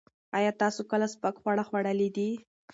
ایا تاسو کله سپک خواړه خوړلي دي؟